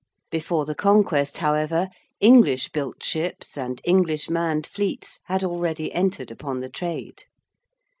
Before the Conquest, however, English built ships and English manned fleets had already entered upon the trade.